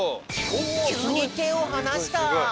きゅうにてをはなした！